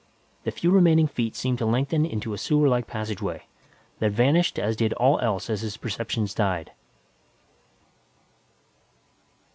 The few remaining feet seemed to lengthen into a sewerlike passageway, then vanished as did all else as his perceptions died.